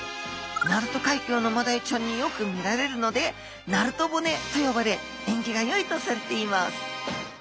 鳴門海峡のマダイちゃんによく見られるので鳴門骨と呼ばれ縁起がよいとされています